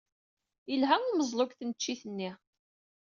Yelha umeẓlu deg tneččit-nni.